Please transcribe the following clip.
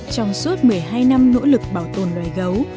trong suốt một mươi hai năm nỗ lực bảo tồn loài gấu